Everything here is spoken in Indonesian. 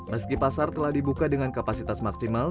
meski pasar telah dibuka dengan kapasitas maksimal